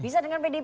bisa dengan pdip